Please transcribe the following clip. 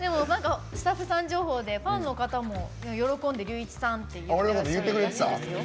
スタッフさん情報でファンの方も喜んでＲＹＵＩＣＨＩさんって言ってらっしゃるらしいですよ。